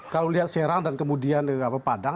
kalau lihat serang dan kemudian padang